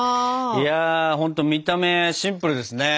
いやほんと見た目シンプルですね。